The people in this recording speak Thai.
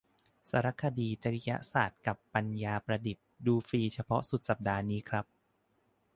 สารคดี จริยศาสตร์กับปัญญาประดิษฐ์ ดูฟรีเฉพาะสุดสัปดาห์นี้ครับ